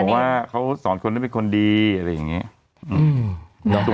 ว่าเขาสอนคนนั้นเป็นคนดีอะไรอย่างนี้